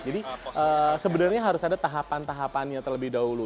jadi sebenarnya harus ada tahapan tahapannya terlebih dahulu